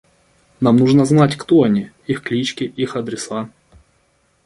Нам нужно знать, кто они, их клички, их адреса.